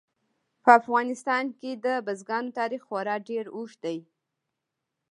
په افغانستان کې د بزګانو تاریخ خورا ډېر اوږد دی.